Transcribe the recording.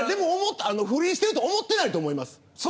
不倫してると思ってないと思います。